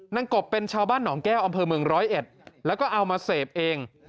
กบเป็นชาวบ้านหนองแก้วอำเภอเมืองร้อยเอ็ดแล้วก็เอามาเสพเอง